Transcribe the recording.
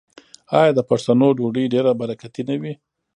آیا د پښتنو ډوډۍ ډیره برکتي نه وي؟